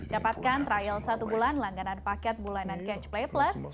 dapatkan trial satu bulan langganan paket bulanan catch play plus